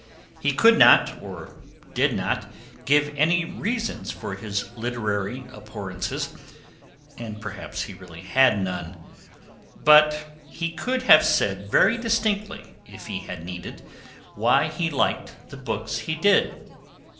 He could not, or did not, give any reasons for his literary abhorrences, and perhaps he really had none. But he could have said very distinctly, if he had needed, why he liked the books he did.